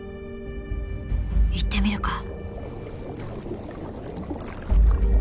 行ってみるか」。